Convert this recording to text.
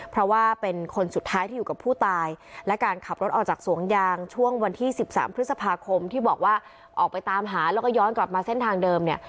เพราะว่าเป็นคนสุดท้ายที่อยู่กับผู้ตายและการขับรถออกจากสวนยางช่วงวันที่๑๓พฤษภาคมที่บอกว่าออกไปตามหาแล้วก็ย้อนกลับมาเส้นทางเดิมเนี่ย